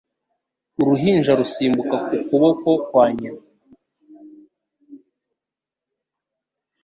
Uruhinja rusimbuka ku kuboko kwa nyina: -